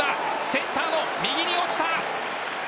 センターの右に落ちた。